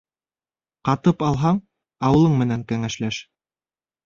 Ҡатып алһаң, ауылың менән кәңәшләш.